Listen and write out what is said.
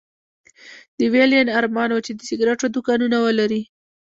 د ويلين ارمان و چې د سګرېټو دوکانونه ولري.